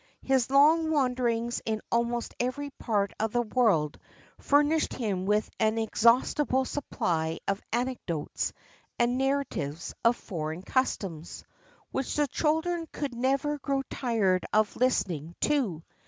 His long wanderings in almost every part of the world furnished him with an inexhaustible supply of anecdotes and narratives of foreign customs, which the children could never grow tired of listening to.